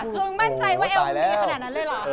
คือมั่นใจว่าแอลมันดีขนาดนั้นเลยเหรอ